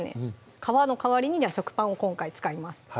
皮の代わりに食パンを今回使います